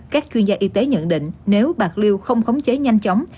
các chuyên gia y tế nhận định nếu bạc liêu không khống chế nhanh chóng